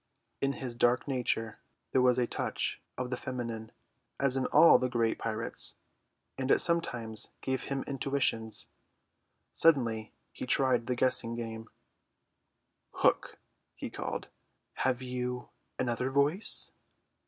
In his dark nature there was a touch of the feminine, as in all the great pirates, and it sometimes gave him intuitions. Suddenly he tried the guessing game. "Hook," he called, "have you another voice?"